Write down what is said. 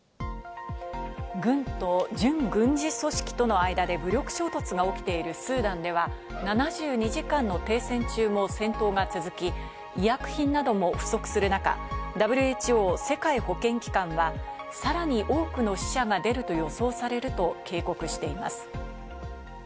軍と準軍事組織との間で武力衝突が起きているスーダンでは７２時間の停戦中も戦闘が続き、医薬品なども不足する中、ＷＨＯ＝世界保健機関はさらに多くの死者が出ると予想されると警告しています。